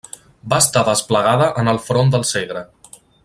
Va estar desplegada en el front del Segre.